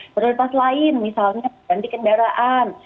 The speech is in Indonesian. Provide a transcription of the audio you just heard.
prioritas lain misalnya ganti kendaraan